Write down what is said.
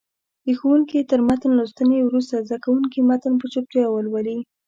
د ښوونکي تر متن لوستنې وروسته زده کوونکي متن په چوپتیا ولولي.